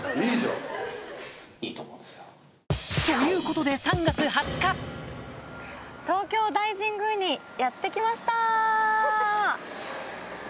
いいと思うんですよ。ということで東京大神宮にやって来ました！